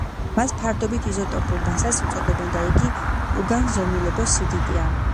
მას ფარდობით იზოტოპურ მასას უწოდებენ და იგი უგანზომილებო სიდიდეა.